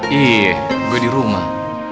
yaiya gue di rumah